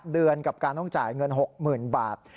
เดือนกับการต้องจ่ายเงิน๖๐๐๐บาท